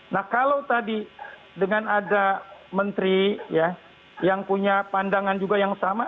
nah kalau tadi dengan ada menteri ya yang punya pandangan juga yang sama